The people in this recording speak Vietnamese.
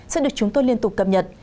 sẽ được chúng tôi liên tục cập nhật